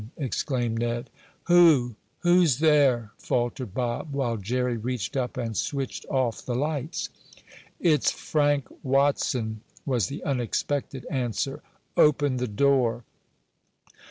exclaimed Ned. "Who who's there?" faltered Bob, while Jerry reached up and switched off the lights. "It's Frank Watson," was the unexpected answer. "Open the door."